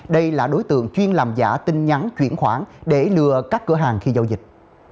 đây là đối tượng chuyên làm giả tin nhắn chuyển khoản để lừa các cửa hàng khi giao dịch